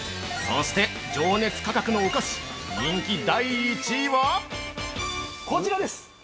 ◆そして、情熱価格のお菓子人気第１位は◆こちらです！